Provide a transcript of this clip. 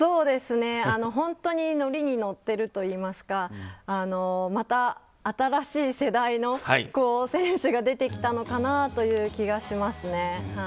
本当にノリに乗ってるといいますかまた新しい世代の選手が出てきたのかなという気がしますね。